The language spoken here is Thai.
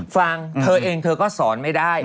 ฟังเธอเองเธอก็สอนไม่ได้